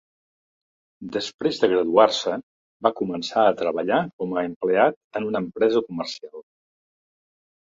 Després de graduar-se, va començar a treballar com a empleat en una empresa comercial.